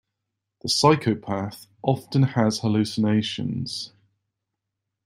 The psychopath often has hallucinations.